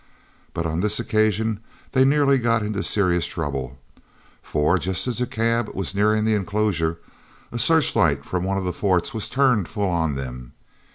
But on this occasion they nearly got into serious trouble, for, just as the cab was nearing the enclosure, a searchlight from one of the forts was turned full on them.